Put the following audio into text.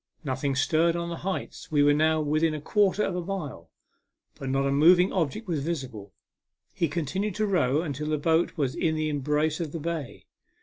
Nothing stirred on the heights ; we were now within a quarter of a mile, but not a moving object was visible. He continued to row until the boat was in the embrace of the bay.